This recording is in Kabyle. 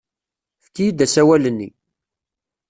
Efk-iyi-d asawal-nni.